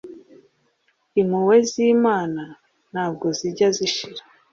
impuhwe z'imana ntabwo zijya zishira